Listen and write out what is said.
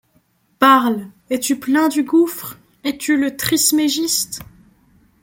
Parle. Es-tu plein du gouffre ? Es-tu le trismégiste